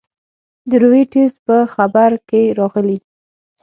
د رویټرز په خبر کې راغلي